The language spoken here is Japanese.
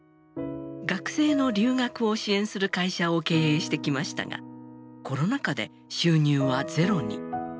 学生の留学を支援する会社を経営してきましたがコロナ禍で収入はゼロに。